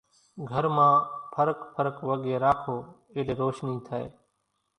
گھر مان ڦرق ڦرق وڳين راکو ايٽلي روشني ٿائي۔